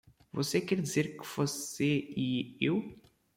Você quer dizer que você e eu?